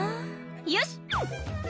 「よし」